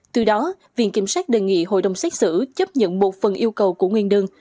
từ đó viện kiểm sát đề nghị hội đồng xét xử chấp nhận một phần yêu cầu của nguyên đơn